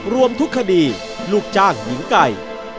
รวมทุกคดีลูกจ้างหญิงไก่